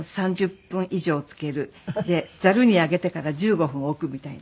でざるに上げてから１５分置くみたいな。